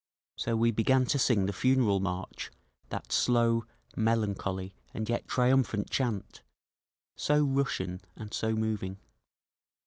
So we began to sing the Funeral March, that slow, melancholy and yet triumphant chant, so Russian and so moving.